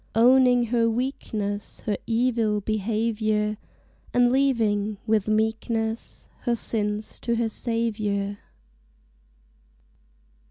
Owning her weakness, Her evil behavior, And leaving, with meekness, Her sins to her Saviour!